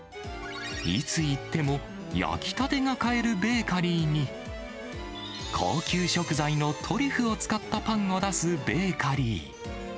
いつ行っても焼きたてが買えるベーカリーに、高級食材のトリュフを使ったパンを出すベーカリー。